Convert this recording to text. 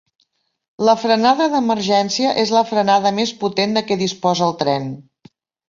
La frenada d'emergència és la frenada més potent de què disposa el tren.